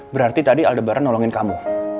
berarti tadi aldebar nolongin kamu